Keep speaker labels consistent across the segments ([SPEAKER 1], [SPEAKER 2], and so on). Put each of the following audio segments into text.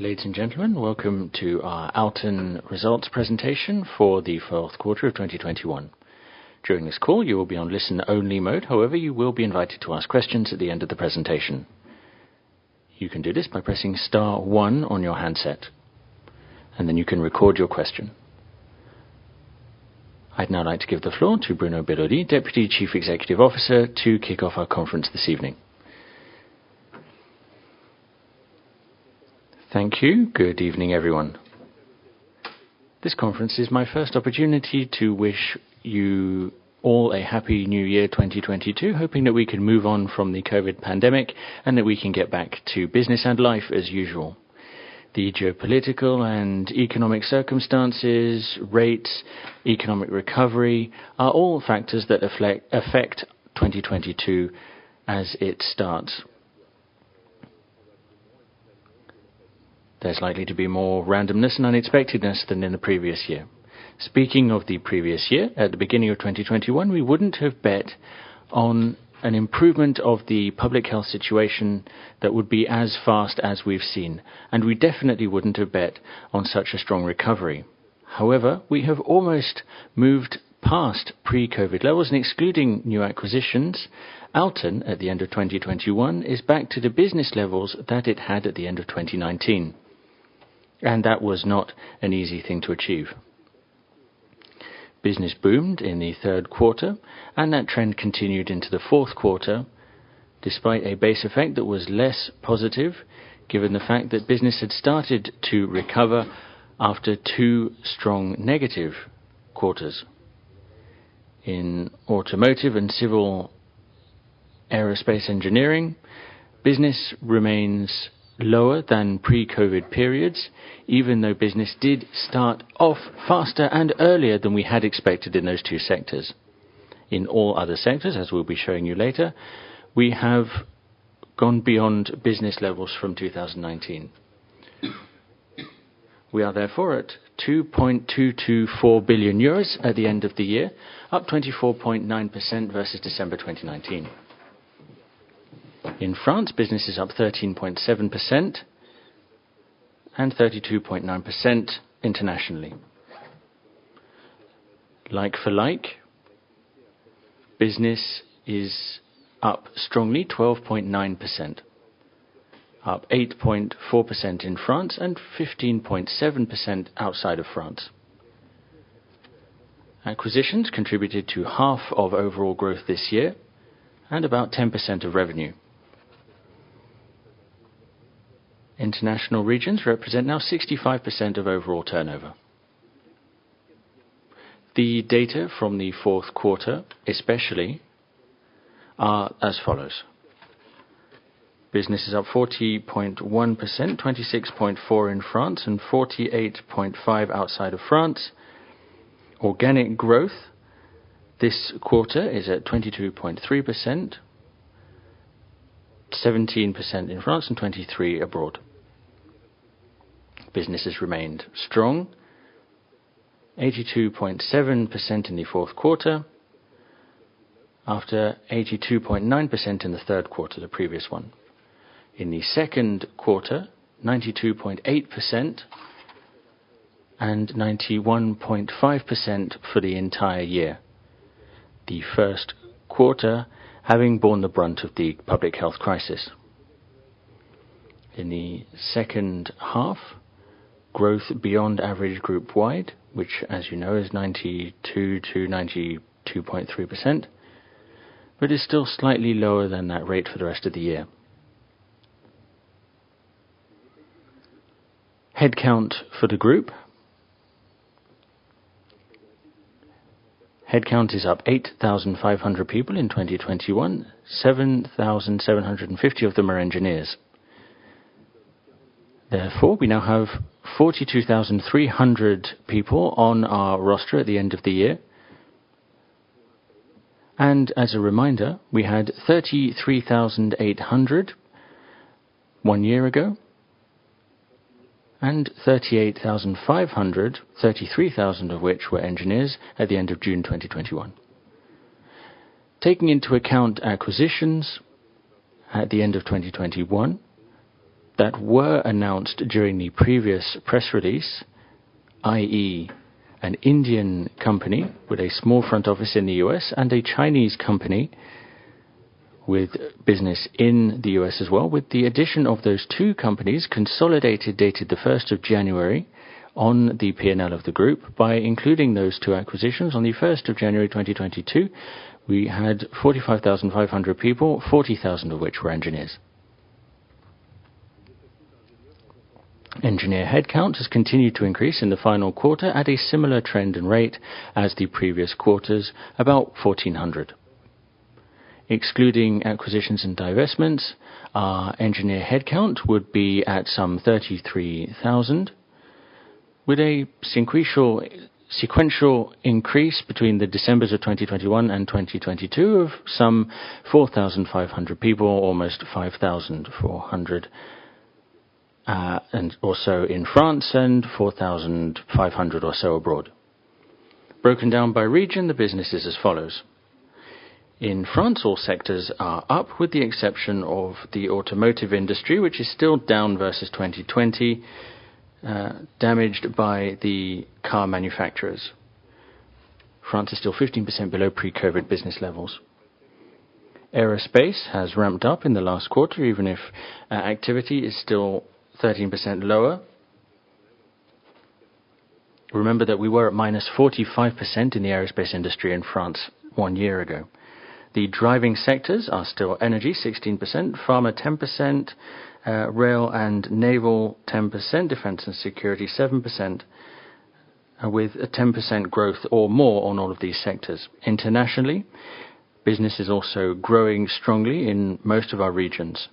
[SPEAKER 1] Ladies and gentlemen, welcome to our Alten results presentation for the fourth quarter of 2021. During this call, you will be on listen-only mode. However, you will be invited to ask questions at the end of the presentation. You can do this by pressing star one on your handset, and then you can record your question. I'd now like to give the floor to Bruno Benoliel, Deputy Chief Executive Officer, to kick off our conference this evening.
[SPEAKER 2] Thank you. Good evening, everyone. This conference is my first opportunity to wish you all a happy new year, 2022, hoping that we can move on from the COVID pandemic, and that we can get back to business and life as usual. The geopolitical and economic circumstances, rates, economic recovery are all factors that affect 2022 as it starts. There's likely to be more randomness and unexpectedness than in the previous year. Speaking of the previous year, at the beginning of 2021, we wouldn't have bet on an improvement of the public health situation that would be as fast as we've seen, and we definitely wouldn't have bet on such a strong recovery. However, we have almost moved past pre-COVID levels, and excluding new acquisitions, Alten, at the end of 2021, is back to the business levels that it had at the end of 2019. That was not an easy thing to achieve. Business boomed in the third quarter, and that trend continued into the fourth quarter despite a base effect that was less positive, given the fact that business had started to recover after two strong negative quarters. In automotive and civil aerospace engineering, business remains lower than pre-COVID periods, even though business did start off faster and earlier than we had expected in those two sectors. In all other sectors, as we'll be showing you later, we have gone beyond business levels from 2019. We are therefore at 2.224 billion euros at the end of the year, up 24.9% versus December 2019. In France, business is up 13.7% and 32.9% internationally. Like for like, business is up strongly 12.9%, up 8.4% in France and 15.7% outside of France. Acquisitions contributed to half of overall growth this year and about 10% of revenue. International regions represent now 65% of overall turnover. The data from the fourth quarter especially are as follows. Business is up 40.1%, 26.4% in France and 48.5% outside of France. Organic growth this quarter is at 22.3%, 17% in France and 23% abroad. Business has remained strong, 82.7% in the fourth quarter, after 82.9% in the third quarter, the previous one. In the second quarter, 92.8% and 91.5% for the entire year. The first quarter having borne the brunt of the public health crisis. In the second half, growth beyond average group wide, which, as you know, is 92%-92.3%, but is still slightly lower than that rate for the rest of the year. Headcount for the group. Headcount is up 8,500 people in 2021. 7,750 of them are engineers. Therefore, we now have 42,300 people on our roster at the end of the year. As a reminder, we had 33,800 one year ago, and 38,500, 33,000 of which were engineers at the end of June 2021. Taking into account acquisitions at the end of 2021 that were announced during the previous press release, i.e., an Indian company with a small front office in the U.S. and a Chinese company with business in the U.S. as well. With the addition of those two companies, consolidated dated 1st of January on the P&L of the group, by including those two acquisitions on 1st of January 2022, we had 45,500 people, 40,000 of which were engineers. Engineer headcount has continued to increase in the final quarter at a similar trend and rate as the previous quarters, about 1,400. Excluding acquisitions and divestments, our engineer headcount would be at some 33,000, with a sequential increase between the Decembers of 2021 and 2022 of some 4,500 people, almost 5,400, and also in France, and 4,500 or so abroad. Broken down by region, the business is as follows. In France, all sectors are up with the exception of the automotive industry, which is still down versus 2020, damaged by the car manufacturers. France is still 15% below pre-COVID business levels. Aerospace has ramped up in the last quarter, even if activity is still 13% lower. Remember that we were at -45% in the aerospace industry in France one year ago. The driving sectors are still energy 16%, pharma 10%, rail and naval 10%, defense and security 7%, with a 10% growth or more on all of these sectors. Internationally, business is also growing strongly in most of our regions.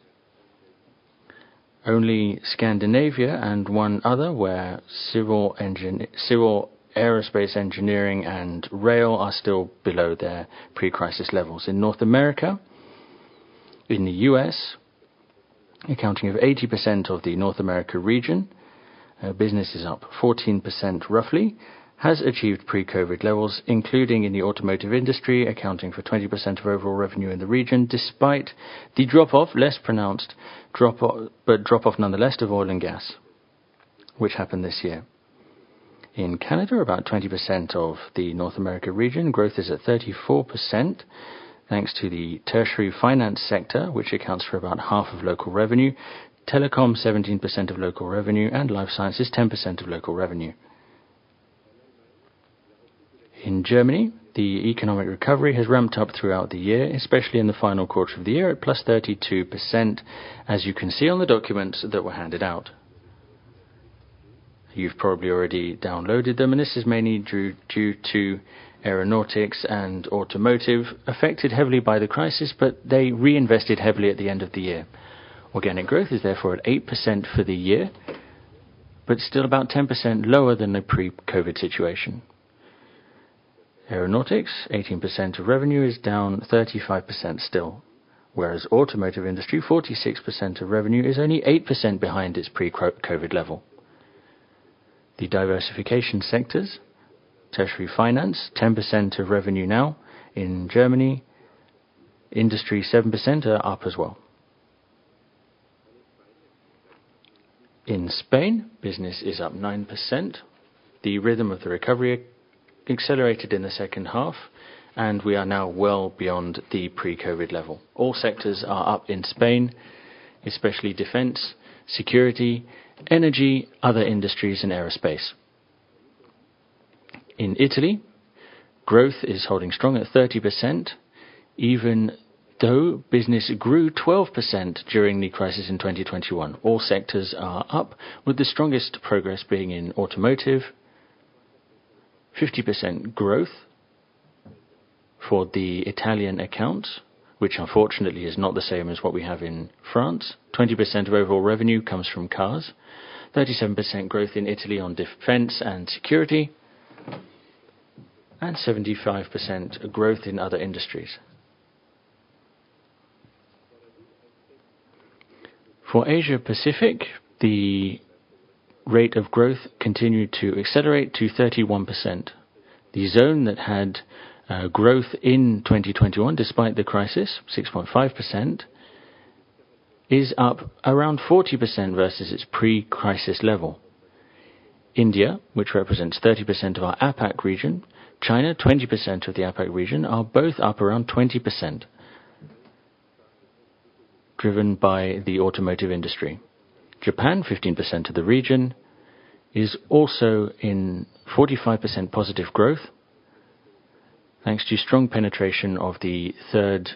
[SPEAKER 2] Only Scandinavia and one other, where civil aerospace engineering and rail are still below their pre-crisis levels. In North America, in the U.S., accounting for 80% of the North America region, business is up 14% roughly, has achieved pre-COVID levels, including in the automotive industry, accounting for 20% of overall revenue in the region, despite the drop-off, less pronounced drop-off, but drop-off nonetheless of oil and gas, which happened this year. In Canada, about 20% of the North America region growth is at 34%, thanks to the tertiary finance sector, which accounts for about half of local revenue, telecom 17% of local revenue, and life sciences 10% of local revenue. In Germany, the economic recovery has ramped up throughout the year, especially in the final quarter of the year at +32%, as you can see on the documents that were handed out. You've probably already downloaded them, and this is mainly due to aeronautics and automotive affected heavily by the crisis, but they reinvested heavily at the end of the year. Organic growth is therefore at 8% for the year, but still about 10% lower than the pre-COVID situation. Aeronautics, 18% of revenue is down 35% still, whereas automotive industry, 46% of revenue is only 8% behind its pre-COVID level. The diversification sectors, tertiary finance, 10% of revenue now in Germany, industry 7% are up as well. In Spain, business is up 9%. The rhythm of the recovery accelerated in the second half, and we are now well beyond the pre-COVID level. All sectors are up in Spain, especially defense, security, energy, other industries, and aerospace. In Italy, growth is holding strong at 30%, even though business grew 12% during the crisis in 2021. All sectors are up, with the strongest progress being in automotive. 50% growth for the Italian accounts, which unfortunately is not the same as what we have in France. 20% of overall revenue comes from cars, 37% growth in Italy on defense and security, and 75% growth in other industries. For Asia Pacific, the rate of growth continued to accelerate to 31%. The zone that had growth in 2021, despite the crisis, 6.5%, is up around 40% versus its pre-crisis level. India, which represents 30% of our APAC region, China, 20% of the APAC region, are both up around 20%, driven by the automotive industry. Japan, 15% of the region, is also in 45% positive growth, thanks to strong penetration of the third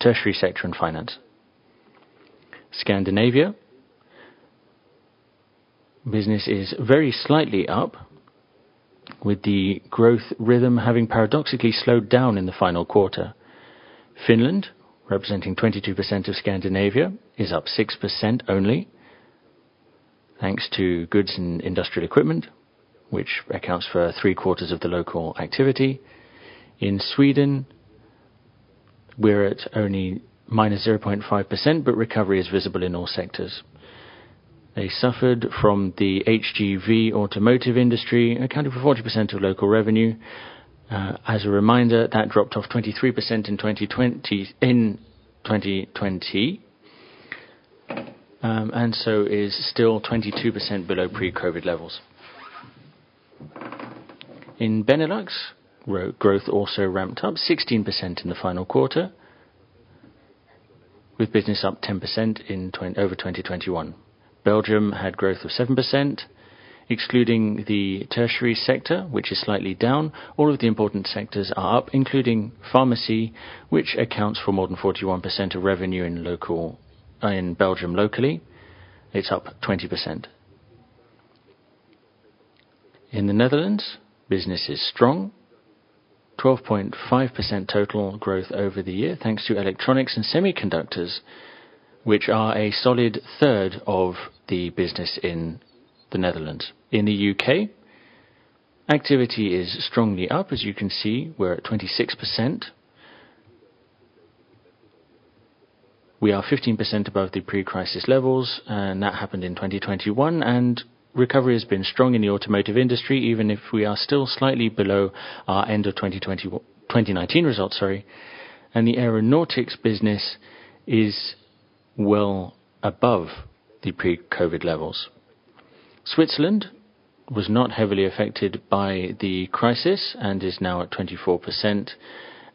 [SPEAKER 2] tertiary sector in finance. Scandinavia, business is very slightly up, with the growth rhythm having paradoxically slowed down in the final quarter. Finland, representing 22% of Scandinavia, is up 6% only, thanks to goods and industrial equipment, which accounts for three-quarters of the local activity. In Sweden, we're at only -0.5%, but recovery is visible in all sectors. They suffered from the HGV automotive industry, accounting for 40% of local revenue. As a reminder, that dropped off 23% in 2020 and so is still 22% below pre-COVID levels. In Benelux, our growth also ramped up 16% in the final quarter, with business up 10% over 2021. Belgium had growth of 7%, excluding the tertiary sector, which is slightly down. All of the important sectors are up, including pharmacy, which accounts for more than 41% of revenue locally in Belgium. It's up 20%. In the Netherlands, business is strong, 12.5% total growth over the year, thanks to electronics and semiconductors, which are a solid third of the business in the Netherlands. In the U.K., activity is strongly up. As you can see, we're at 26%. We are 15% above the pre-crisis levels, and that happened in 2021. Recovery has been strong in the automotive industry, even if we are still slightly below our end of 2019 results, sorry. The aeronautics business is well above the pre-COVID levels. Switzerland was not heavily affected by the crisis and is now at 24%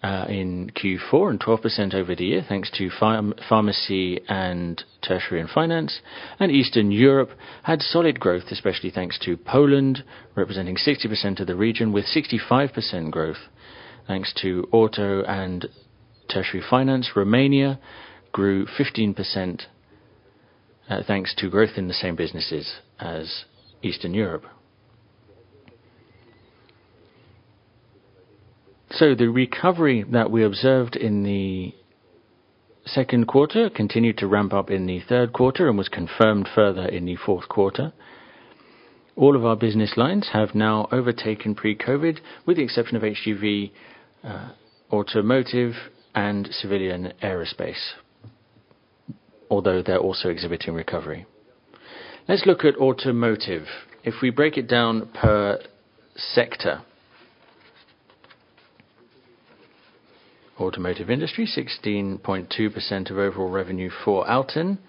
[SPEAKER 2] in Q4 and 12% over the year, thanks to pharmacy and tertiary and finance. Eastern Europe had solid growth, especially thanks to Poland, representing 60% of the region with 65% growth, thanks to auto and tertiary finance. Romania grew 15%, thanks to growth in the same businesses as Eastern Europe. The recovery that we observed in the second quarter continued to ramp up in the third quarter and was confirmed further in the fourth quarter. All of our business lines have now overtaken pre-COVID, with the exception of HGV, automotive and civilian aerospace, although they're also exhibiting recovery. Let's look at automotive. If we break it down per sector. Automotive industry, 16.2% of overall revenue for ALTEN.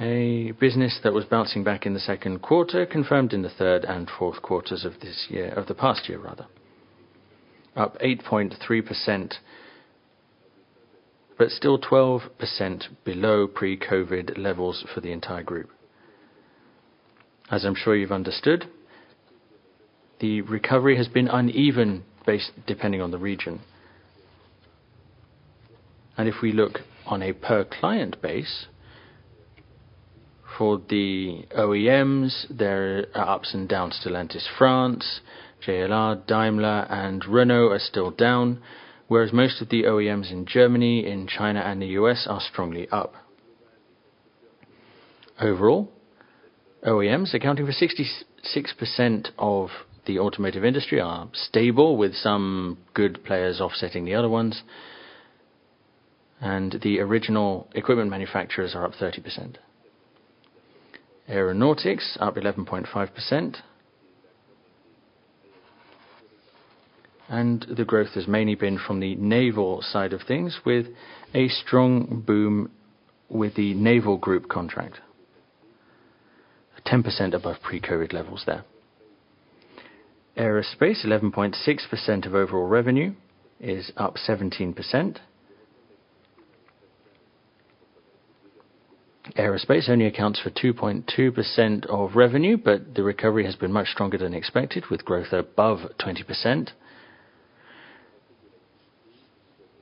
[SPEAKER 2] A business that was bouncing back in the second quarter, confirmed in the third and fourth quarters of this year, of the past year rather. Up 8.3%, but still 12% below pre-COVID levels for the entire group. As I'm sure you've understood, the recovery has been uneven based, depending on the region. If we look on a per-client basis, for the OEMs, there are ups and downs. Stellantis France, JLR, Daimler, and Renault are still down, whereas most of the OEMs in Germany, in China, and the U.S. are strongly up. Overall, OEMs accounting for 66% of the automotive industry are stable, with some good players offsetting the other ones. The original equipment manufacturers are up 30%. Aeronautics up 11.5%. The growth has mainly been from the naval side of things, with a strong boom with the Naval Group contract. 10% above pre-COVID levels there. Aerospace, 11.6% of overall revenue, is up 17%. Aerospace only accounts for 2.2% of revenue, but the recovery has been much stronger than expected, with growth above 20%.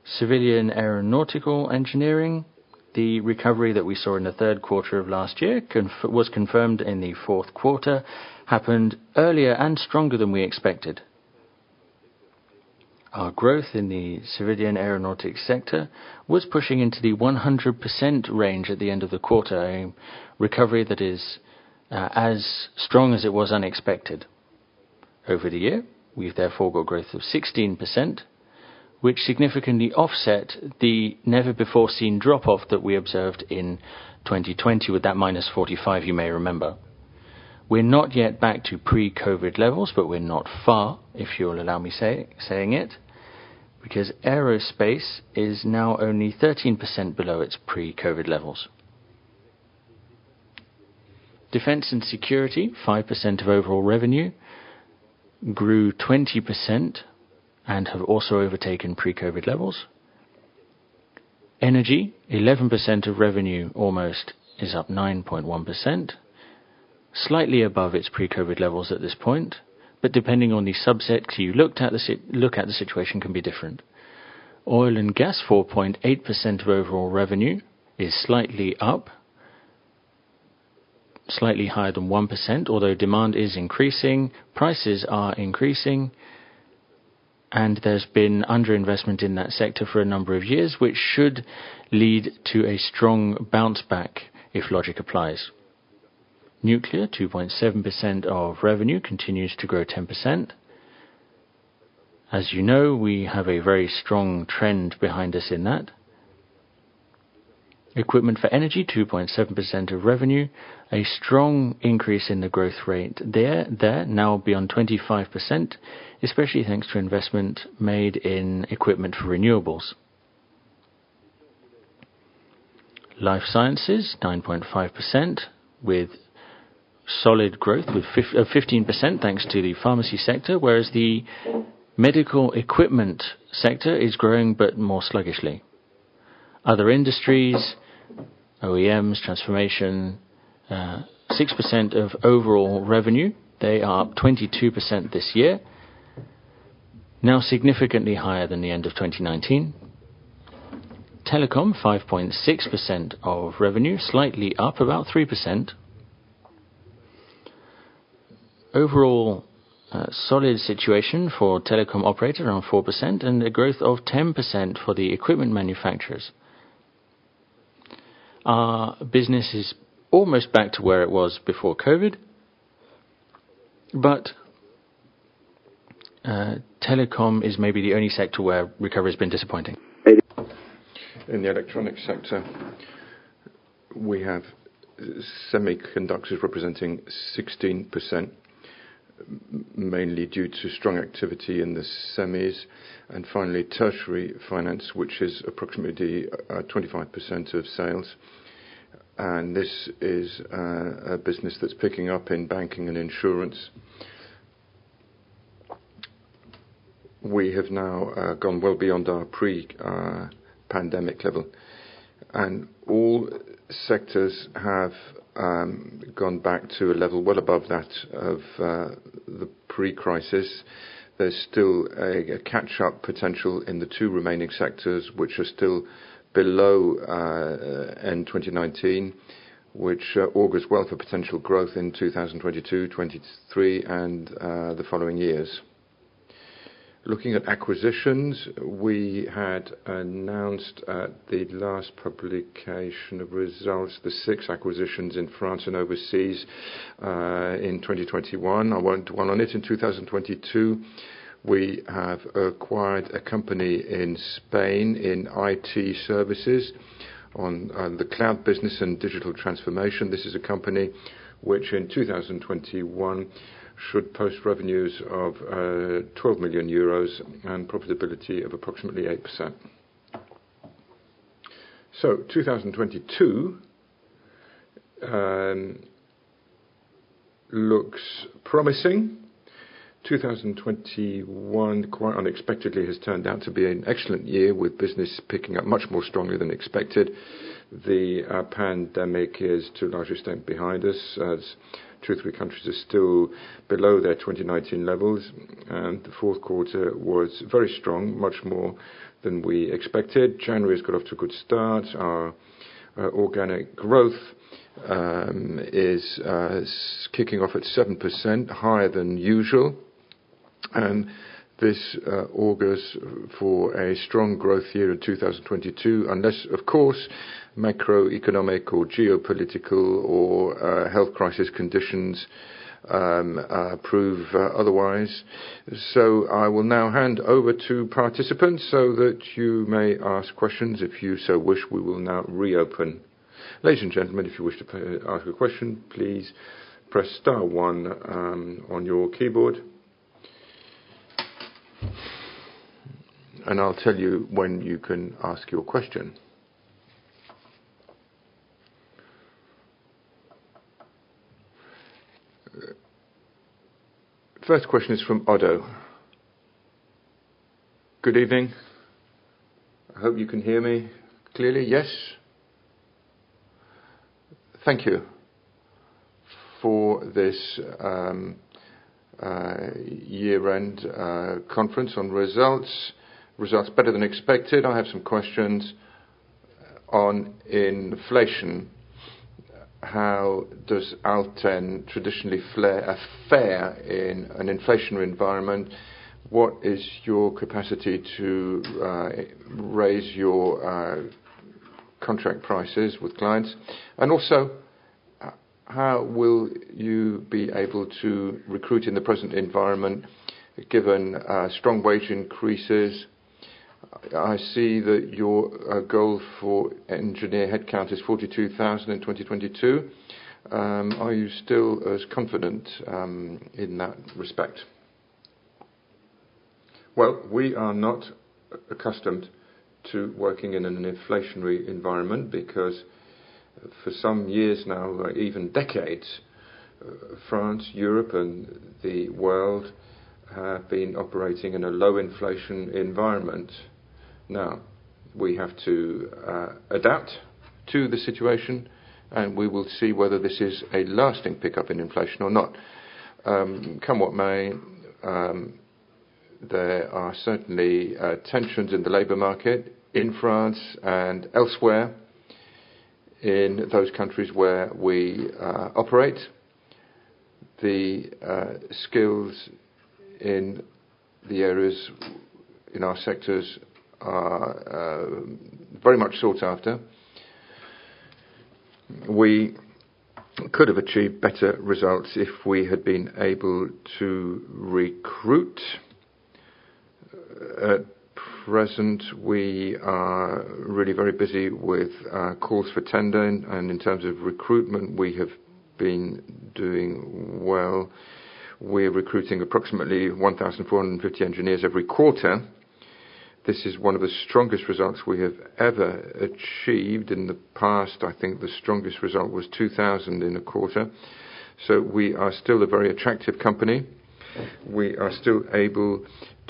[SPEAKER 2] Civilian aeronautical engineering, the recovery that we saw in the third quarter of last year was confirmed in the fourth quarter, happened earlier and stronger than we expected. Our growth in the civilian aeronautics sector was pushing into the 100% range at the end of the quarter, a recovery that is as strong as it was unexpected. Over the year, we've therefore got growth of 16%, which significantly offset the never-before-seen drop-off that we observed in 2020 with that -45%, you may remember. We're not yet back to pre-COVID levels, but we're not far, if you'll allow me saying it, because aerospace is now only 13% below its pre-COVID levels. Defense and security, 5% of overall revenue, grew 20% and have also overtaken pre-COVID levels. Energy, 11% of revenue almost is up 9.1%, slightly above its pre-COVID levels at this point. Depending on the subset you look at, the situation can be different. Oil and gas, 4.8% of overall revenue, is slightly up. Slightly higher than 1%, although demand is increasing, prices are increasing, and there's been underinvestment in that sector for a number of years, which should lead to a strong bounce back if logic applies. Nuclear, 2.7% of revenue continues to grow 10%. As you know, we have a very strong trend behind us in that. Equipment for energy, 2.7% of revenue. A strong increase in the growth rate there now beyond 25%, especially thanks to investment made in equipment for renewables. Life sciences, 9.5% with solid growth with 15% thanks to the pharmacy sector, whereas the medical equipment sector is growing, but more sluggishly. Other industries, OEMs, transformation, 6% of overall revenue. They are up 22% this year, now significantly higher than the end of 2019. Telecom, 5.6% of revenue, slightly up about 3%. Overall, a solid situation for telecom operator around 4% and a growth of 10% for the equipment manufacturers. Our business is almost back to where it was before COVID, but Telecom is maybe the only sector where recovery has been disappointing. In the Electronics sector, we have semiconductors representing 16%, mainly due to strong activity in the semis. Finally, tertiary finance, which is approximately 25% of sales, and this is a business that's picking up in banking and insurance. We have now gone well beyond our pre-pandemic level, and all sectors have gone back to a level well above that of the pre-crisis. There's still a catch-up potential in the two remaining sectors, which are still below end 2019, which augurs well for potential growth in 2022, 2023 and the following years. Looking at acquisitions, we had announced at the last publication of results the six acquisitions in France and overseas in 2021. I won't dwell on it. In 2022, we have acquired a company in Spain in IT services on the cloud business and digital transformation. This is a company which in 2021 should post revenues of 12 million euros and profitability of approximately 8%. 2022 looks promising. 2021, quite unexpectedly, has turned out to be an excellent year with business picking up much more strongly than expected. The pandemic is, to a large extent, behind us as two or three countries are still below their 2019 levels, and the fourth quarter was very strong, much more than we expected. January has got off to a good start. Our organic growth is kicking off at 7% higher than usual. This augurs for a strong growth year in 2022, unless of course, macroeconomic or geopolitical or health crisis conditions prove otherwise. I will now hand over to participants so that you may ask questions if you so wish. We will now re-open.
[SPEAKER 1] Ladies and gentlemen, If you wish to ask a question, please press star one on your keyboard.
[SPEAKER 3] Good evening. I hope you can hear me clearly.
[SPEAKER 1] Yes.
[SPEAKER 3] Thank you for this year-end conference on results. Results better than expected. I have some questions on inflation. How does Alten traditionally fare in an inflationary environment? What is your capacity to raise your contract prices with clients? Also, how will you be able to recruit in the present environment given strong wage increases? I see that your goal for engineer headcount is 42,000 in 2022. Are you still as confident in that respect?
[SPEAKER 2] Well, we are not accustomed to working in an inflationary environment because for some years now, or even decades, France, Europe and the world have been operating in a low inflation environment. Now, we have to adapt to the situation, and we will see whether this is a lasting pickup in inflation or not. Come what may, there are certainly tensions in the labor market in France and elsewhere in those countries where we operate. The skills in the areas in our sectors are very much sought after. We could have achieved better results if we had been able to recruit. At present, we are really very busy with calls for tendering, and in terms of recruitment, we have been doing well. We're recruiting approximately 1,450 engineers every quarter. This is one of the strongest results we have ever achieved. In the past, I think the strongest result was 2,000 in a quarter. We are still a very attractive company. We are still able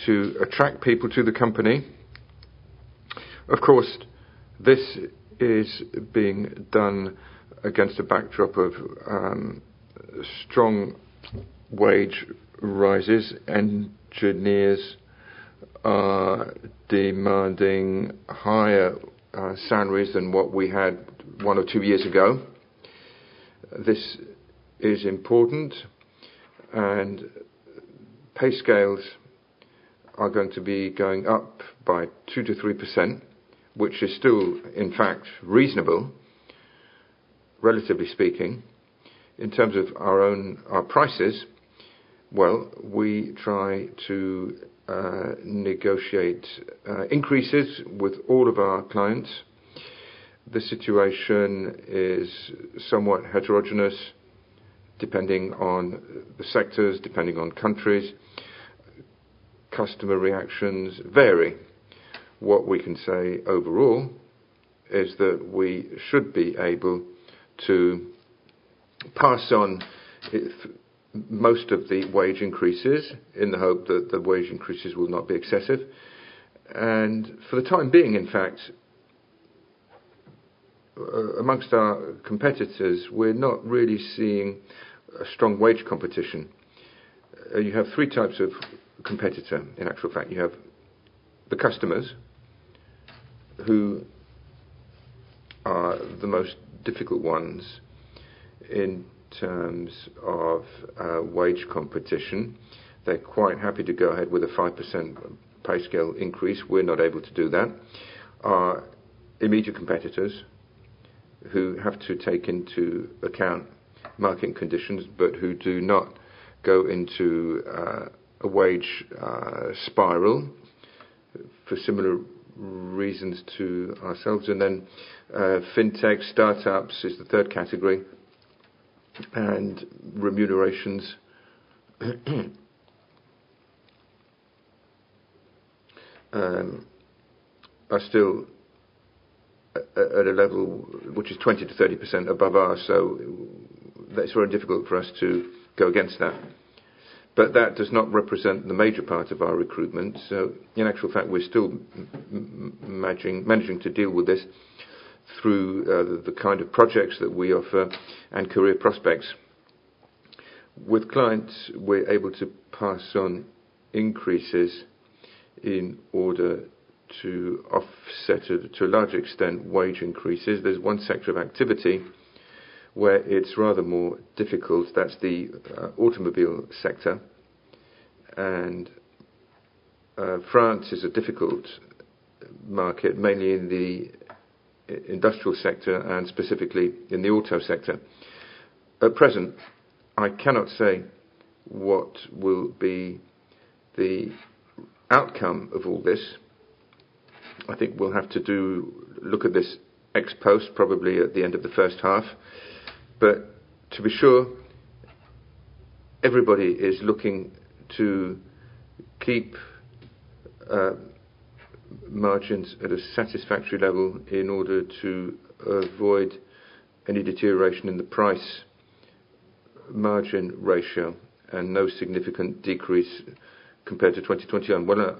[SPEAKER 2] to attract people to the company. Of course, this is being done against a backdrop of strong wage rises. Engineers are demanding higher salaries than what we had one or two years ago. This is important and pay scales are going to be going up by 2%-3%, which is still, in fact, reasonable. Relatively speaking, in terms of our own, our prices, well, we try to negotiate increases with all of our clients. The situation is somewhat heterogeneous, depending on the sectors, depending on countries. Customer reactions vary. What we can say overall is that we should be able to pass on if most of the wage increases in the hope that the wage increases will not be excessive. For the time being, in fact, amongst our competitors, we're not really seeing a strong wage competition. You have three types of competitor. In actual fact, you have the customers who are the most difficult ones in terms of wage competition. They're quite happy to go ahead with a 5% pay scale increase. We're not able to do that. Our immediate competitors who have to take into account market conditions, but who do not go into a wage spiral for similar reasons to ourselves. Fintech startups is the third category, and remunerations are still at a level which is 20%-30% above us. That's very difficult for us to go against that. But that does not represent the major part of our recruitment. In actual fact, we're still managing to deal with this through the kind of projects that we offer and career prospects. With clients, we're able to pass on increases in order to offset, to a large extent, wage increases. There's one sector of activity where it's rather more difficult. That's the automobile sector. France is a difficult market, mainly in the industrial sector and specifically in the auto sector. At present, I cannot say what will be the outcome of all this. I think we'll have to look at this ex post probably at the end of the first half. To be sure, everybody is looking to keep margins at a satisfactory level in order to avoid any deterioration in the price margin ratio and no significant decrease compared to 2021. Well,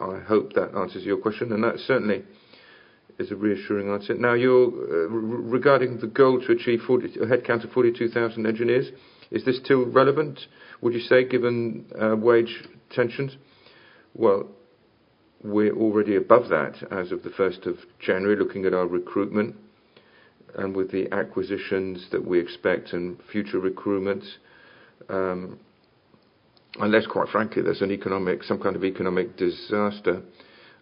[SPEAKER 2] I hope that answers your question, and that certainly is a reassuring answer.
[SPEAKER 3] Now, regarding the goal to achieve a headcount of 42,000 engineers, is this still relevant, would you say, given wage tensions?
[SPEAKER 2] Well, we're already above that as of 1st of January, looking at our recruitment and with the acquisitions that we expect and future recruitments, unless quite frankly, there's an economic, some kind of economic disaster,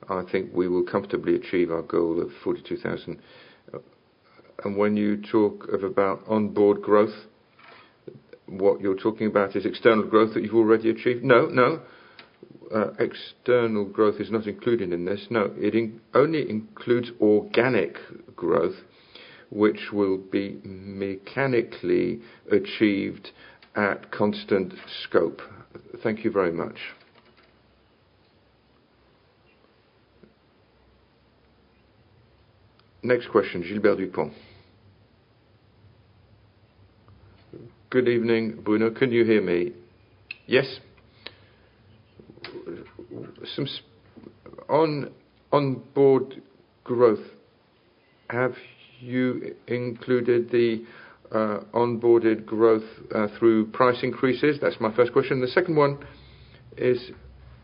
[SPEAKER 2] I think we will comfortably achieve our goal of 42,000. When you talk about organic growth, what you're talking about is external growth that you've already achieved. No. External growth is not included in this. No, it only includes organic growth, which will be mechanically achieved at constant scope.
[SPEAKER 3] Thank you very much.
[SPEAKER 1] Next question, Gilbert Dupont.
[SPEAKER 4] Good evening. Bruno, can you hear me?
[SPEAKER 2] Yes.
[SPEAKER 4] On organic growth, have you included the organic growth through price increases? That's my first question. The second one is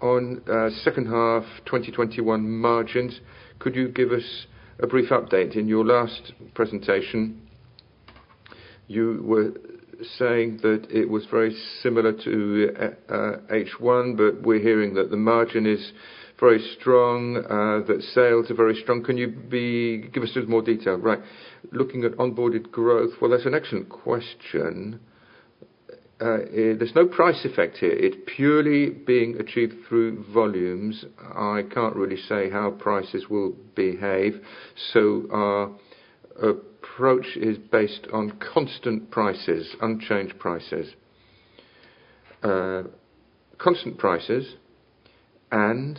[SPEAKER 4] on second half 2021 margins. Could you give us a brief update? In your last presentation, you were saying that it was very similar to H1, but we're hearing that the margin is very strong, that sales are very strong. Can you give us a bit more detail?
[SPEAKER 2] Right. Looking at organic growth, well, that's an excellent question. There's no price effect here. It's purely being achieved through volumes. I can't really say how prices will behave. Our approach is based on constant prices, unchanged prices. Constant prices and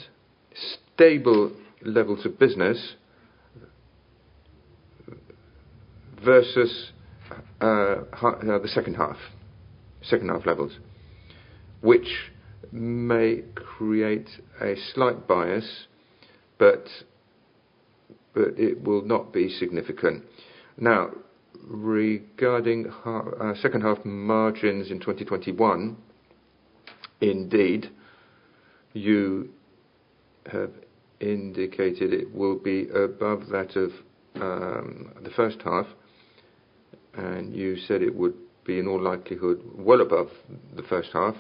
[SPEAKER 2] stable levels of business versus the second half levels, which may create a slight bias, but it will not be significant. Now, regarding our second half margins in 2021. Indeed, you have indicated it will be above that of the first half, and you said it would be, in all likelihood, well above the first half.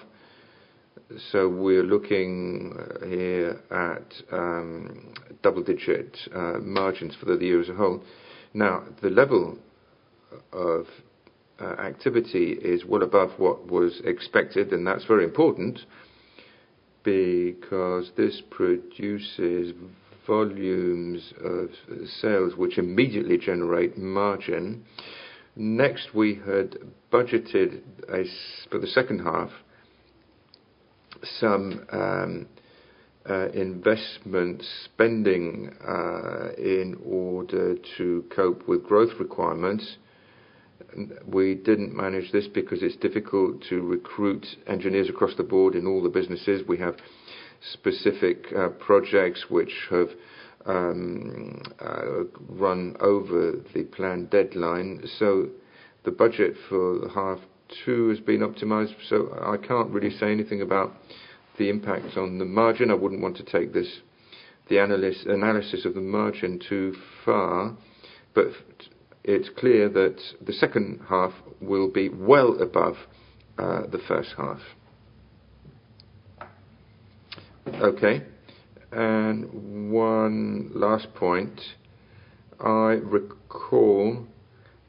[SPEAKER 2] We're looking here at double-digit margins for the year as a whole. Now, the level of activity is well above what was expected, and that's very important because this produces volumes of sales which immediately generate margin. Next, we had budgeted for the second half some investment spending in order to cope with growth requirements. We didn't manage this because it's difficult to recruit engineers across the board in all the businesses. We have specific projects which have run over the planned deadline. The budget for the H2 has been optimized, so I can't really say anything about the impact on the margin. I wouldn't want to take this, the analysis of the margin too far, but it's clear that the H2 will be well above the H1.
[SPEAKER 4] Okay. One last point. I recall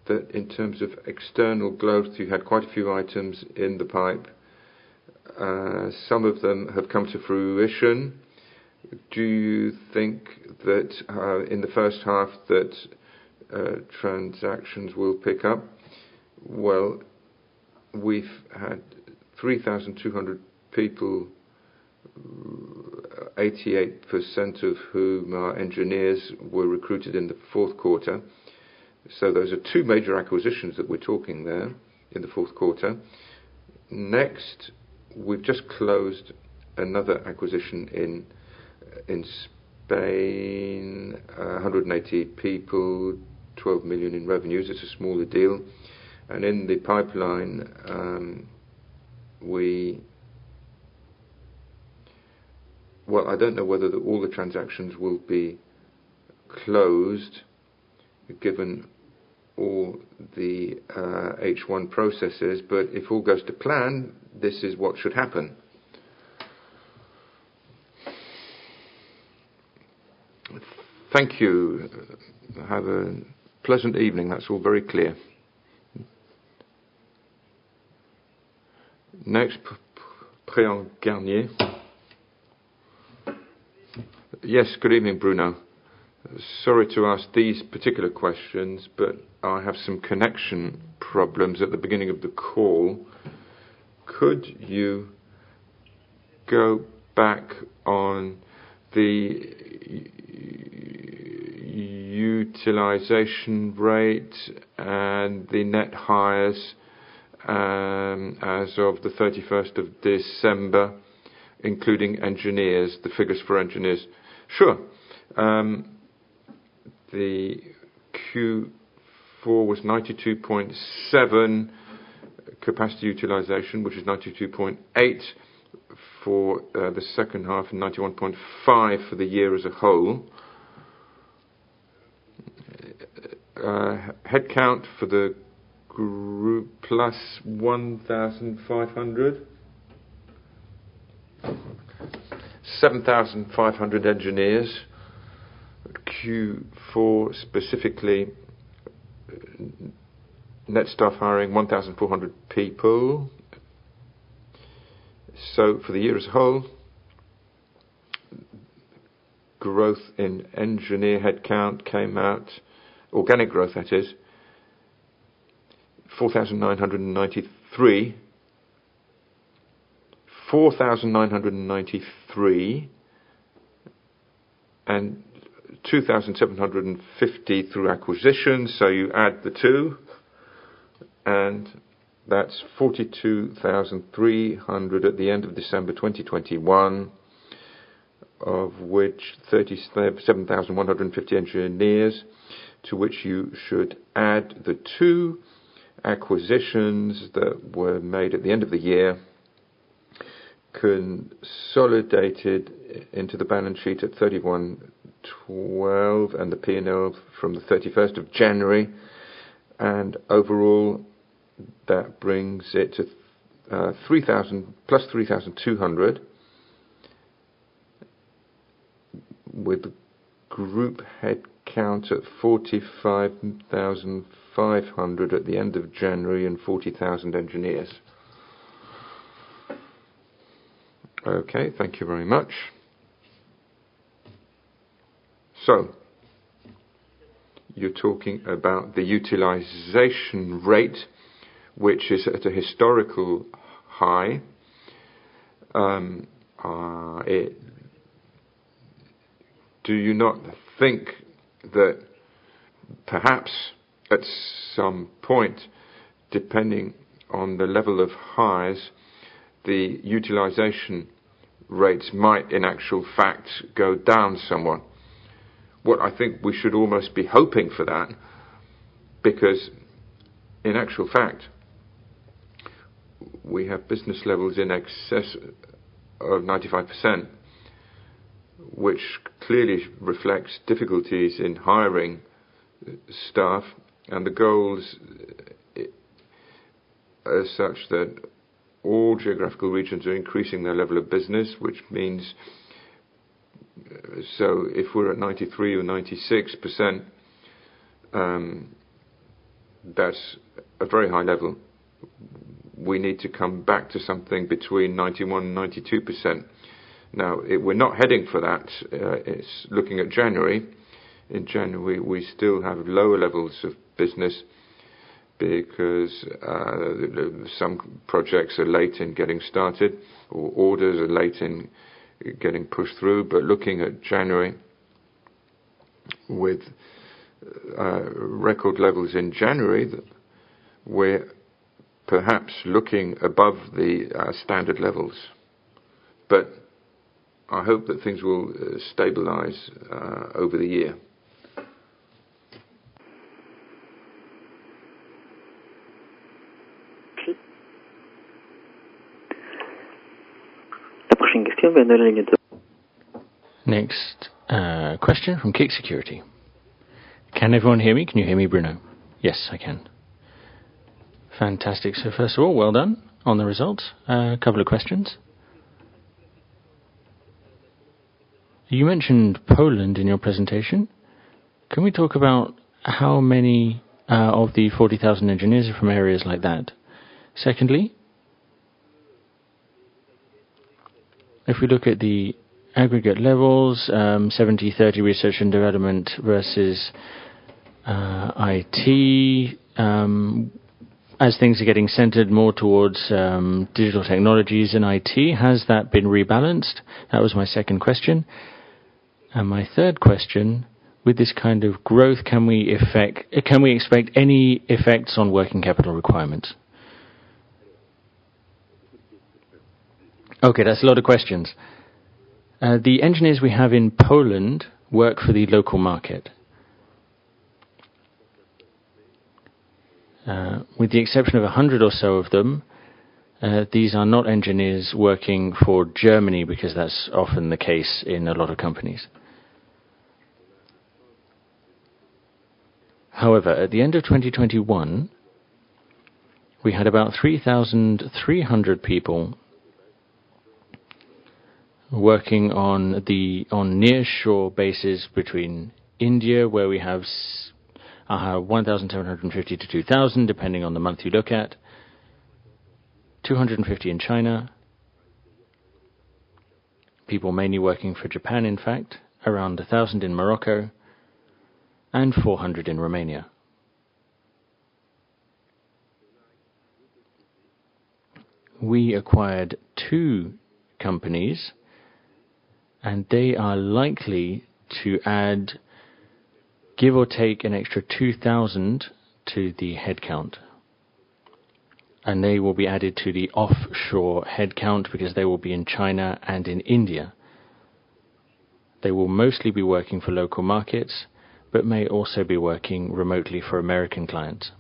[SPEAKER 4] that in terms of external growth, you had quite a few items in the pipeline. Some of them have come to fruition. Do you think that in the H1 transactions will pick up?
[SPEAKER 2] Well, we've had 3,200 people, 88% of whom are engineers, were recruited in the fourth quarter. Those are two major acquisitions that we're talking there in the fourth quarter. Next, we've just closed another acquisition in Spain, 180 people, 12 million in revenues. It's a smaller deal. In the pipeline, Well, I don't know whether all the transactions will be closed given all the H1 processes, but if all goes to plan, this is what should happen.
[SPEAKER 4] Thank you. Have a pleasant evening. That's all very clear.
[SPEAKER 1] Next, Bryan Garnier.
[SPEAKER 5] Yes. Good evening, Bruno. Sorry to ask these particular questions, but I have some connection problems at the beginning of the call. Could you go back on the utilization rate and the net hires, as of the 31st of December, including engineers, the figures for engineers?
[SPEAKER 2] Sure. The Q4 was 92.7% capacity utilization, which is 92.8% for the second half and 91.5% for the year as a whole. Headcount for the group plus 1,500. 7,500 engineers. Q4, specifically, net staff hiring 1,400 people. For the year as a whole, growth in engineer headcount came out, organic growth, that is, 4,993 and 2,750 through acquisition. You add the two, and that's 42,300 at the end of December 2021, of which 37,150 engineers, to which you should add the two acquisitions that were made at the end of the year, consolidated into the balance sheet at 31 December 2021 and the P&L from the 31st of January. Overall, that brings it to plus 3,200, with group headcount at 45,500 at the end of January and 40,000 engineers.
[SPEAKER 5] Okay. Thank you very much. You're talking about the utilization rate, which is at a historical high. Do you not think that perhaps at some point, depending on the level of hires, the utilization rates might, in actual fact, go down somewhat?
[SPEAKER 2] Well, I think we should almost be hoping for that because in actual fact, we have business levels in excess of 95%. Which clearly reflects difficulties in hiring staff and the goals are such that all geographical regions are increasing their level of business, which means. If we're at 93% or 96%, that's a very high level. We need to come back to something between 91%-92%. Now, we're not heading for that. It's looking at January. In January, we still have lower levels of business because some projects are late in getting started or orders are late in getting pushed through. Looking at January with record levels in January, we're perhaps looking above the standard levels. I hope that things will stabilize over the year.
[SPEAKER 1] Next question from CIC Securities.
[SPEAKER 6] Can everyone hear me? Can you hear me, Bruno?
[SPEAKER 2] Yes, I can.
[SPEAKER 6] Fantastic. First of all, well done on the results. A couple of questions. You mentioned Poland in your presentation. Can we talk about how many of the 40,000 engineers are from areas like that? Secondly, if we look at the aggregate levels, 70/30 research and development versus IT, as things are getting centered more towards digital technologies and IT, has that been rebalanced? That was my second question. My third question, with this kind of growth, can we expect any effects on working capital requirements?
[SPEAKER 2] Okay, that's a lot of questions. The engineers we have in Poland work for the local market. With the exception of 100 or so of them, these are not engineers working for Germany because that's often the case in a lot of companies. However, at the end of 2021, we had about 3,300 people working on nearshore bases between India, where we have 1,750-2,000, depending on the month you look at. 250 in China. People mainly working for Japan, in fact, around 1,000 in Morocco and 400 in Romania. We acquired two companies, and they are likely to add, give or take an extra 2,000 to the headcount. They will be added to the offshore headcount because they will be in China and in India. They will mostly be working for local markets, but may also be working remotely for American clients.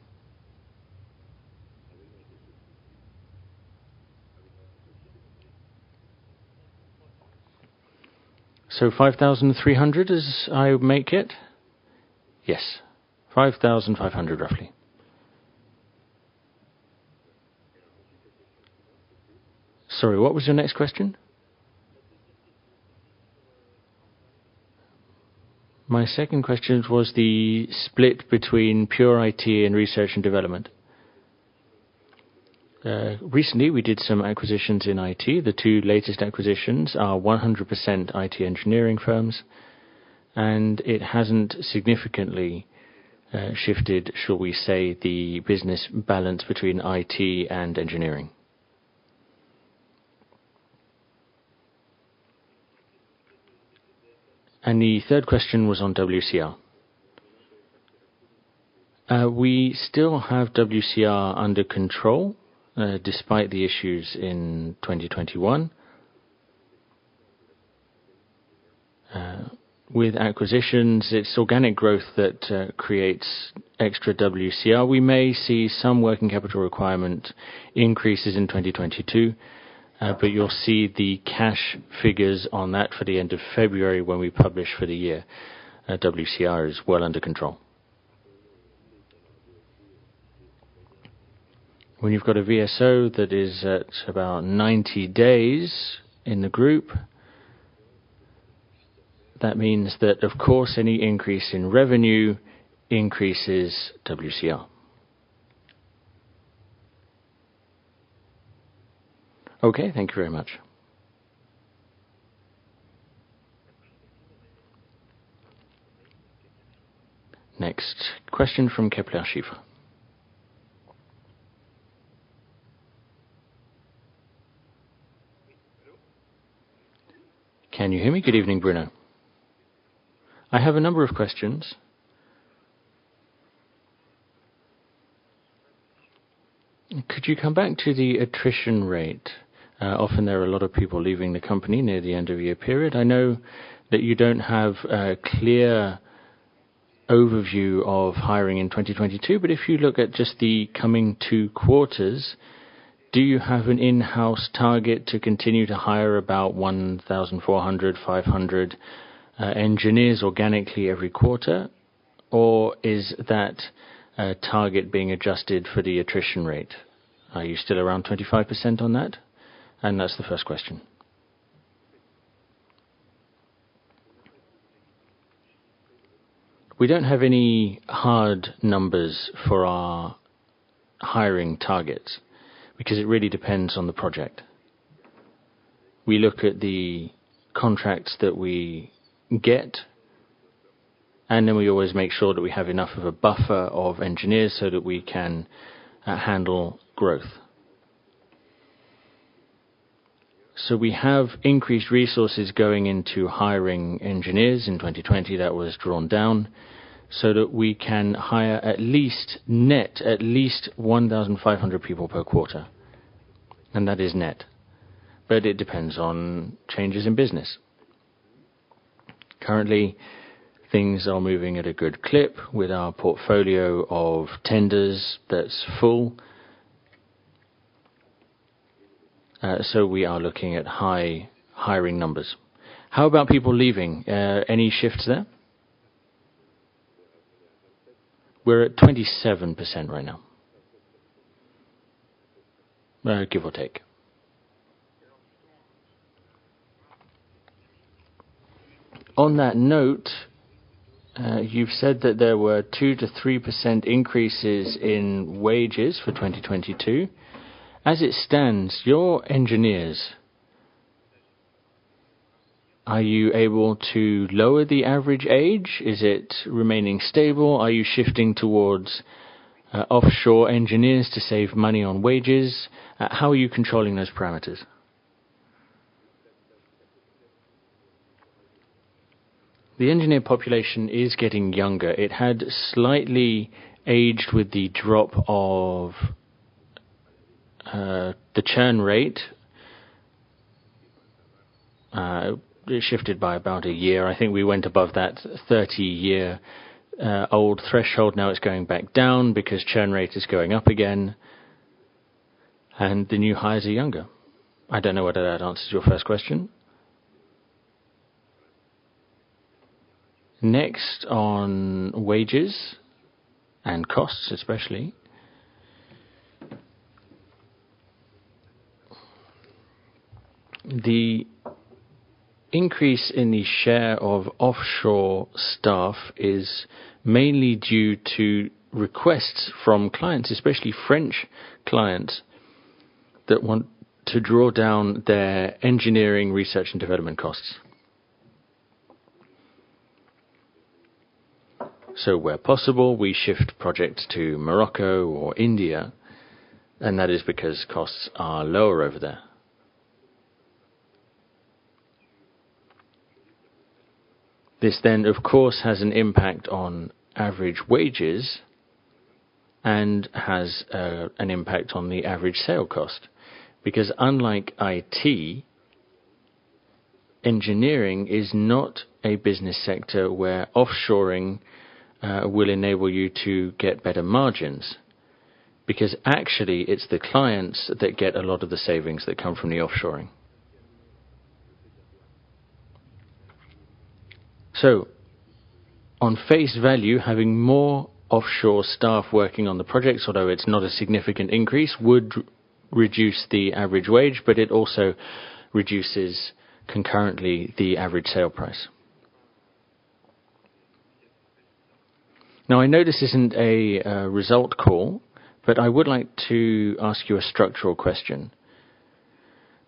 [SPEAKER 2] So 5,300 as I make it? Yes. 5,500, roughly. Sorry, what was your next question?
[SPEAKER 6] My second question was the split between pure IT and Research and Development.
[SPEAKER 2] Recently we did some acquisitions in IT. The two latest acquisitions are 100% IT engineering firms, and it hasn't significantly shifted, shall we say, the business balance between IT and engineering. The third question was on WCR. We still have WCR under control, despite the issues in 2021. With acquisitions, it's organic growth that creates extra WCR. We may see some working capital requirement increases in 2022, but you'll see the cash figures on that for the end of February when we publish for the year. WCR is well under control. When you've got a DSO that is at about 90 days in the group, that means that, of course, any increase in revenue increases WCR.
[SPEAKER 6] Okay, thank you very much.
[SPEAKER 1] Next question from Kepler Cheuvreux.
[SPEAKER 7] Can you hear me? Good evening, Bruno. I have a number of questions. Could you come back to the attrition rate? Often there are a lot of people leaving the company near the end of your period. I know that you don't have a clear overview of hiring in 2022. If you look at just the coming two quarters, do you have an in-house target to continue to hire about 1,400-1,500 engineers organically every quarter? Or is that target being adjusted for the attrition rate? Are you still around 25% on that? And that's the first question.
[SPEAKER 2] We don't have any hard numbers for our hiring targets because it really depends on the project. We look at the contracts that we get, and then we always make sure that we have enough of a buffer of engineers so that we can handle growth. We have increased resources going into hiring engineers in 2020 that was drawn down, so that we can hire at least net 1,500 people per quarter, and that is net. It depends on changes in business. Currently, things are moving at a good clip with our portfolio of tenders that's full. We are looking at high hiring numbers.
[SPEAKER 7] How about people leaving? Any shifts there?
[SPEAKER 2] We're at 27% right now. Give or take.
[SPEAKER 7] On that note, you've said that there were 2%-3% increases in wages for 2022. As it stands, your engineers, are you able to lower the average age? Is it remaining stable? Are you shifting towards offshore engineers to save money on wages? How are you controlling those parameters?
[SPEAKER 2] The engineer population is getting younger. It had slightly aged with the drop of the churn rate. It shifted by about a year. I think we went above that 30-year old threshold. Now it's going back down because churn rate is going up again, and the new hires are younger. I don't know whether that answers your first question. Next, on wages and costs especially. The increase in the share of offshore staff is mainly due to requests from clients, especially French clients, that want to draw down their engineering research and development costs. So where possible, we shift projects to Morocco or India, and that is because costs are lower over there. This then, of course, has an impact on average wages and has an impact on the average sale cost. Because unlike IT, engineering is not a business sector where offshoring will enable you to get better margins, because actually it's the clients that get a lot of the savings that come from the offshoring. On face value, having more offshore staff working on the projects, although it's not a significant increase, would reduce the average wage, but it also reduces concurrently the average sale price.
[SPEAKER 7] Now, I know this isn't a result call, but I would like to ask you a structural question.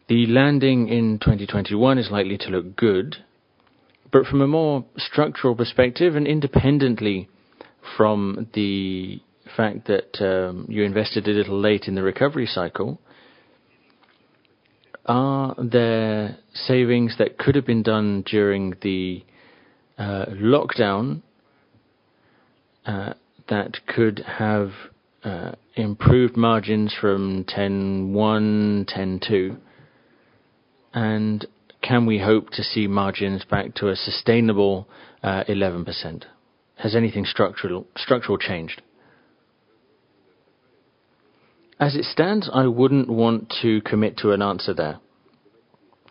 [SPEAKER 7] The landing in 2021 is likely to look good, but from a more structural perspective, and independently from the fact that you invested a little late in the recovery cycle, are there savings that could have been done during the lockdown that could have improved margins from H1, H2? Can we hope to see margins back to a sustainable 11%? Has anything structural changed?
[SPEAKER 2] As it stands, I wouldn't want to commit to an answer there,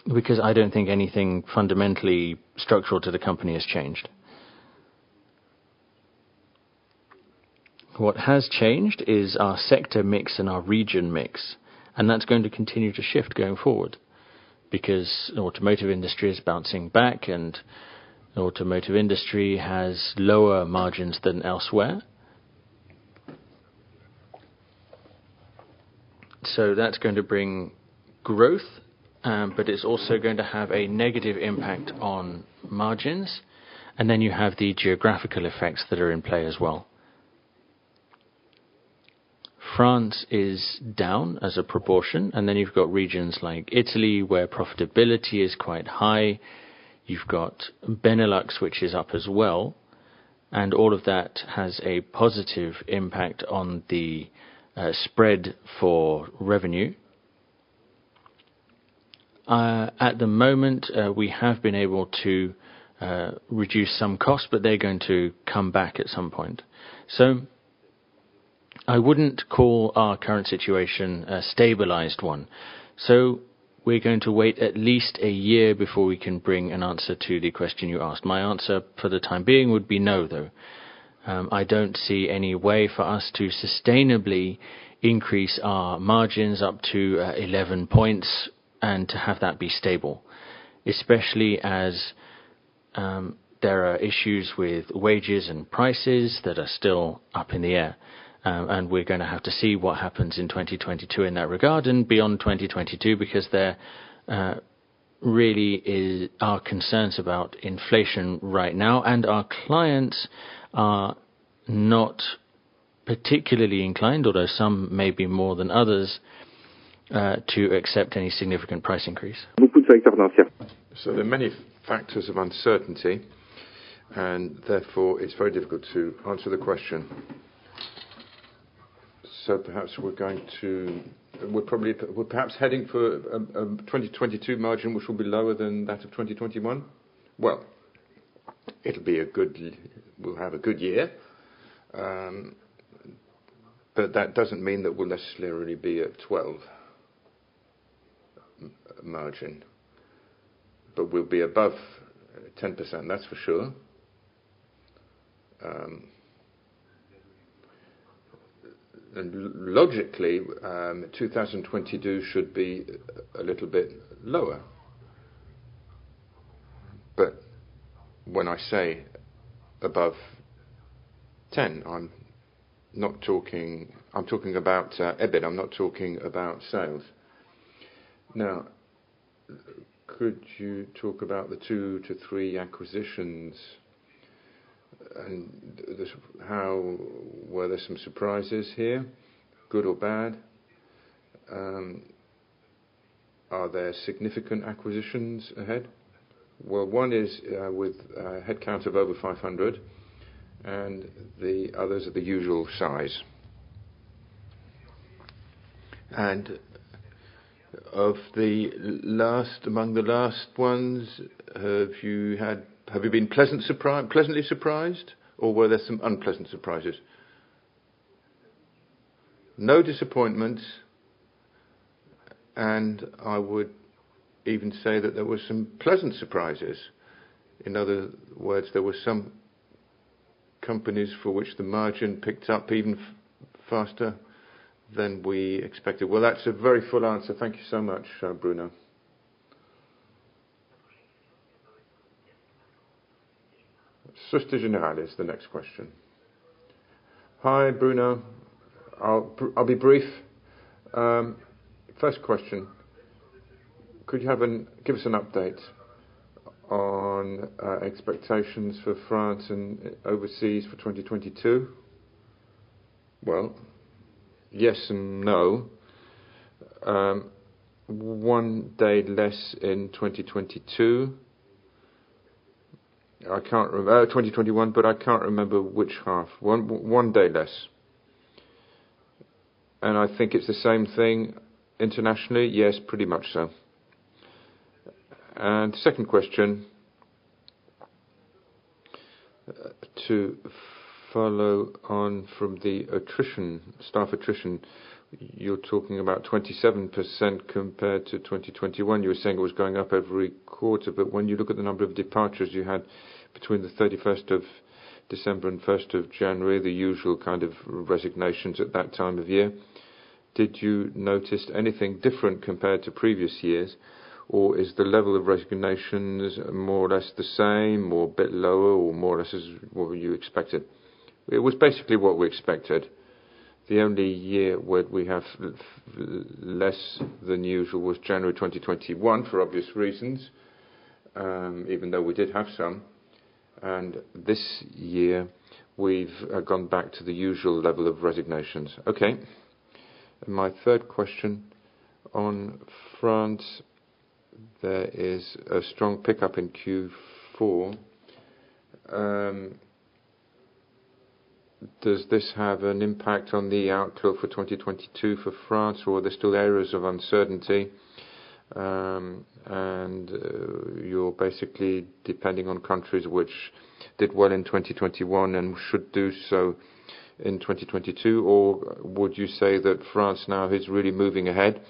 [SPEAKER 2] because I don't think anything fundamentally structural to the company has changed. What has changed is our sector mix and our region mix, and that's going to continue to shift going forward because automotive industry is bouncing back, and automotive industry has lower margins than elsewhere. That's going to bring growth, but it's also going to have a negative impact on margins. Then you have the geographical effects that are in play as well. France is down as a proportion, and then you've got regions like Italy where profitability is quite high. You've got Benelux, which is up as well. All of that has a positive impact on the spread for revenue. At the moment, we have been able to reduce some costs, but they're going to come back at some point. I wouldn't call our current situation a stabilized one. We're going to wait at least a year before we can bring an answer to the question you asked. My answer for the time being would be no, though. I don't see any way for us to sustainably increase our margins up to 11 points and to have that be stable, especially as there are issues with wages and prices that are still up in the air. We're gonna have to see what happens in 2022 in that regard and beyond 2022, because there really is our concerns about inflation right now, and our clients are not particularly inclined, although some may be more than others, to accept any significant price increase. There are many factors of uncertainty, and therefore, it's very difficult to answer the question. We're perhaps heading for 2022 margin, which will be lower than that of 2021. We'll have a good year. That doesn't mean that we'll necessarily be at 12% margin. We'll be above 10%, that's for sure. Logically, 2022 should be a little bit lower. When I say above 10, I'm not talking... I'm talking about EBIT. I'm not talking about sales.
[SPEAKER 7] Now, could you talk about the two to three acquisitions. Were there some surprises here, good or bad? Are there significant acquisitions ahead?
[SPEAKER 2] Well, one is with a headcount of over 500, and the others are the usual size.
[SPEAKER 7] Of the last, among the last ones, have you been pleasantly surprised, or were there some unpleasant surprises?
[SPEAKER 2] No disappointments, and I would even say that there were some pleasant surprises. In other words, there were some companies for which the margin picked up even faster than we expected.
[SPEAKER 7] Well, that's a very full answer. Thank you so much, Bruno.
[SPEAKER 1] Société Générale has the next question.
[SPEAKER 8] Hi, Bruno. I'll be brief. First question. Could you give us an update on expectations for France and overseas for 2022?
[SPEAKER 2] Well, yes and no. One day less in 2022. I can't remember 2021, but I can't remember which half. One day less. I think it's the same thing internationally? Yes, pretty much so.
[SPEAKER 8] Second question, to follow on from the attrition, staff attrition, you're talking about 27% compared to 2021. You were saying it was going up every quarter, but when you look at the number of departures you had between the 31st of December and 1st of January, the usual kind of resignations at that time of year, did you notice anything different compared to previous years? Is the level of resignations more or less the same or a bit lower or more or less as what you expected?
[SPEAKER 2] It was basically what we expected. The only year where we have less than usual was January 2021, for obvious reasons, even though we did have some. This year, we've gone back to the usual level of resignations.
[SPEAKER 8] Okay. My third question, on France, there is a strong pickup in Q4. Does this have an impact on the outlook for 2022 for France, or are there still areas of uncertainty? You're basically depending on countries which did well in 2021 and should do so in 2022? Or would you say that France now is really moving ahead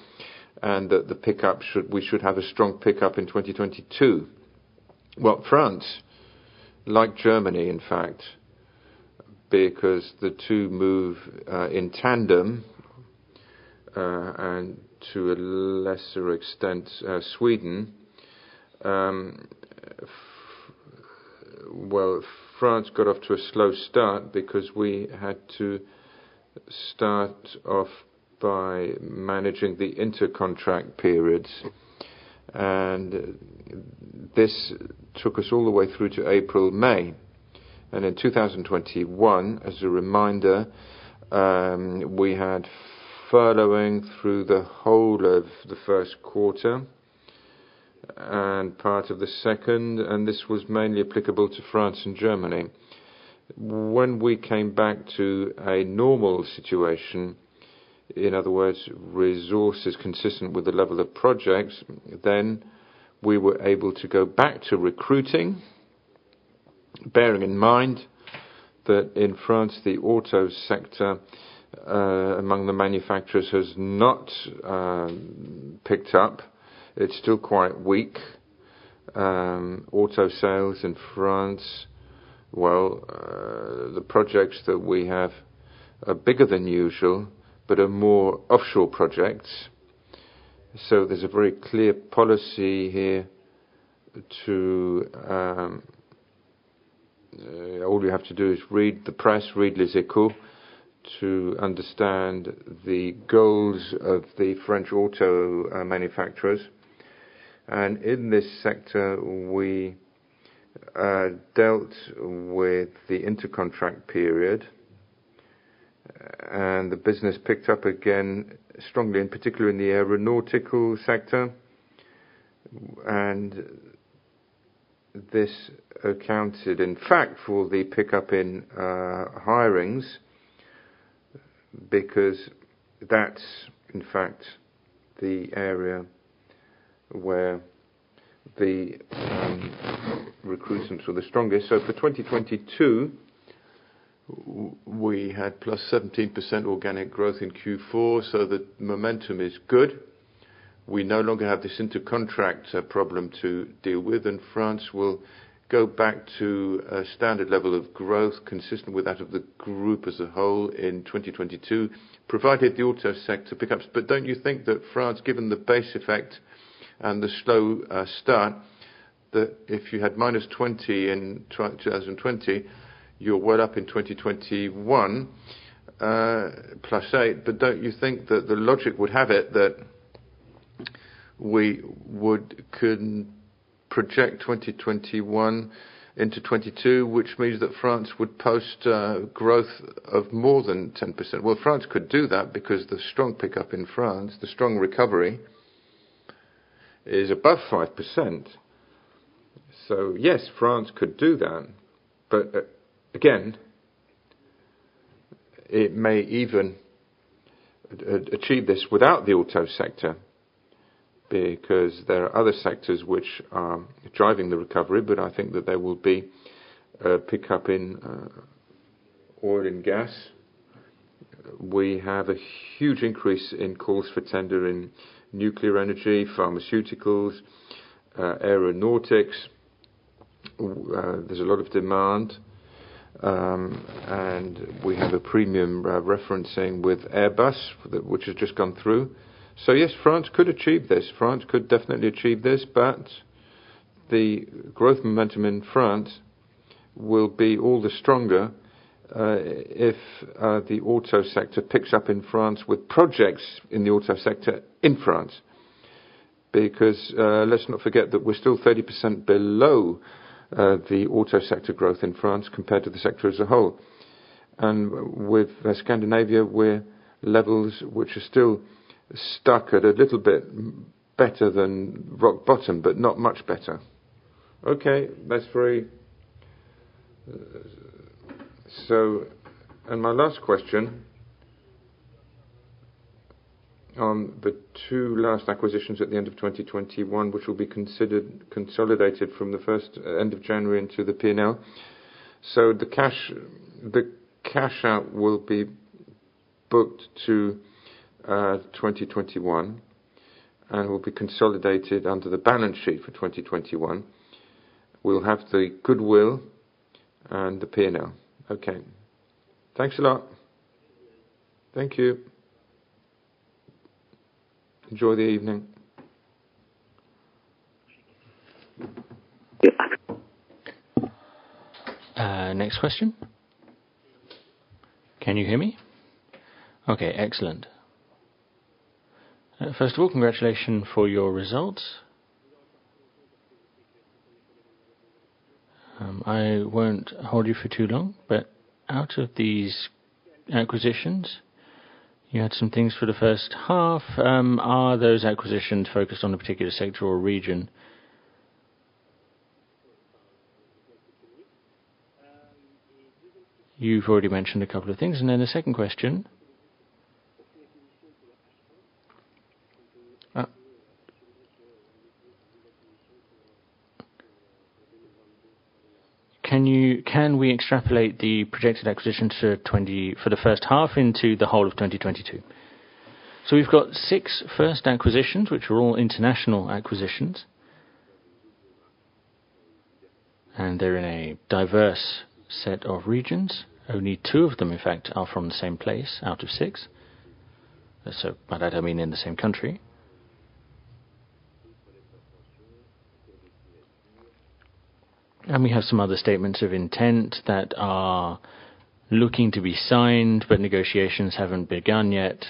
[SPEAKER 8] and that we should have a strong pickup in 2022?
[SPEAKER 2] Well, France, like Germany, in fact, because the two move in tandem, and to a lesser extent, Sweden. Well, France got off to a slow start because we had to start off by managing the inter-contract periods, and this took us all the way through to April, May. In 2021, as a reminder, we had furloughing through the whole of the first quarter and part of the second, and this was mainly applicable to France and Germany. When we came back to a normal situation, in other words, resources consistent with the level of projects, then we were able to go back to recruiting, bearing in mind that in France, the auto sector, among the manufacturers, has not picked up. It's still quite weak. Auto sales in France, well, the projects that we have are bigger than usual, but are more offshore projects. There's a very clear policy here to, All we have to do is read the press, read Les Echos to understand the goals of the French auto manufacturers. In this sector, we dealt with the inter-contract period, and the business picked up again strongly, in particular in the aeronautical sector. This accounted, in fact, for the pickup in hirings, because that's, in fact, the area where the recruitments were the strongest. For 2022, we had +17% organic growth in Q4, so the momentum is good. We no longer have this inter-contract problem to deal with, and France will go back to a standard level of growth consistent with that of the group as a whole in 2022, provided the auto sector picks up.
[SPEAKER 8] Don't you think that France, given the base effect and the slow start, that if you had -20 in 2020, you're well up in 2021, +8. Don't you think that the logic would have it that we can project 2021 into 2022, which means that France would post growth of more than 10%?
[SPEAKER 2] Well, France could do that because the strong pickup in France, the strong recovery is above 5%. Yes, France could do that. Again, it may even achieve this without the auto sector, because there are other sectors which are driving the recovery, but I think that there will be a pickup in oil and gas. We have a huge increase in calls for tender in nuclear energy, pharmaceuticals, aeronautics. There's a lot of demand. We have a premium referencing with Airbus, which has just come through. Yes, France could achieve this. France could definitely achieve this, but the growth momentum in France will be all the stronger if the auto sector picks up in France with projects in the auto sector in France. Because let's not forget that we're still 30% below the auto sector growth in France compared to the sector as a whole. With Scandinavia, we're at levels which are still stuck at a little bit better than rock bottom, but not much better.
[SPEAKER 8] Okay, that's very. My last question on the two last acquisitions at the end of 2021, which will be considered consolidated from the first of January into the P&L.
[SPEAKER 2] The cash out will be booked to 2021 and will be consolidated under the balance sheet for 2021. We'll have the goodwill and the P&L.
[SPEAKER 8] Okay. Thanks a lot.
[SPEAKER 2] Thank you. Enjoy the evening.
[SPEAKER 1] Next question.
[SPEAKER 9] Can you hear me? Okay, excellent. First of all, congratulations for your results. I won't hold you for too long, but out of these acquisitions, you had some things for the first half. Are those acquisitions focused on a particular sector or region? You've already mentioned a couple of things. The second question. Can we extrapolate the projected acquisitions for the first half into the whole of 2022?
[SPEAKER 2] We've got six first acquisitions, which are all international acquisitions. They're in a diverse set of regions. Only two of them, in fact, are from the same place out of six. By that, I mean in the same country. We have some other statements of intent that are looking to be signed, but negotiations haven't begun yet.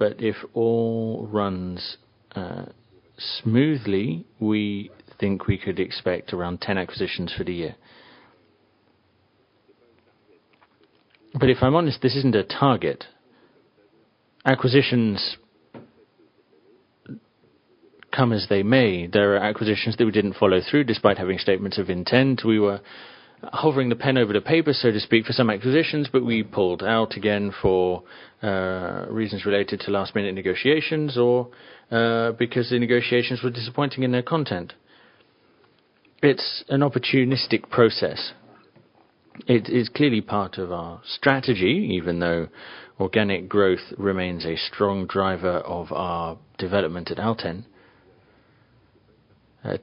[SPEAKER 2] If all runs smoothly, we think we could expect around 10 acquisitions for the year. If I'm honest, this isn't a target. Acquisitions come as they may. There are acquisitions that we didn't follow through despite having statements of intent. We were hovering the pen over the paper, so to speak, for some acquisitions, but we pulled out again for reasons related to last-minute negotiations or because the negotiations were disappointing in their content. It's an opportunistic process. It is clearly part of our strategy, even though organic growth remains a strong driver of our development at Alten.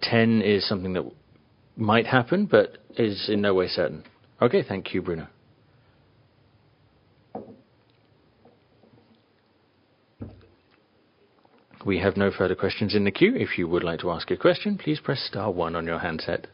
[SPEAKER 2] 10 is something that might happen, but is in no way certain.
[SPEAKER 9] Okay, thank you, Bruno.
[SPEAKER 1] We have no further questions in the queue. If you would like to ask a question, please press star one on your handset.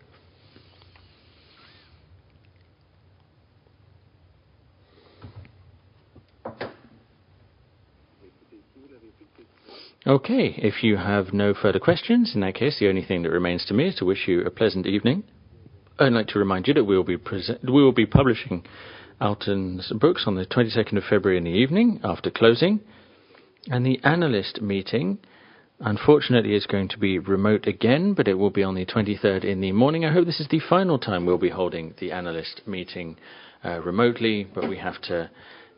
[SPEAKER 2] Okay, if you have no further questions, in that case, the only thing that remains to me is to wish you a pleasant evening. I'd like to remind you that we will be publishing Alten's books on the 22nd of February in the evening after closing. The analyst meeting, unfortunately, is going to be remote again, but it will be on the 23rd in the morning. I hope this is the final time we'll be holding the analyst meeting remotely, but we have to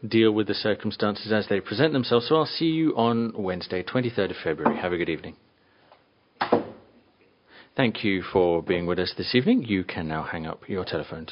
[SPEAKER 2] deal with the circumstances as they present themselves. I'll see you on Wednesday, 23rd of February. Have a good evening.
[SPEAKER 1] Thank you for being with us this evening. You can now hang up your telephones.